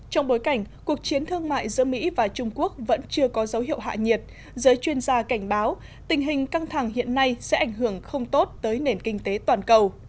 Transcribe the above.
trong bối cảnh cuộc chiến thương mại giữa mỹ và trung quốc vẫn chưa có dấu hiệu hạ nhiệt giới chuyên gia cảnh báo tình hình căng thẳng hiện nay sẽ ảnh hưởng không tốt tới nền kinh tế toàn cầu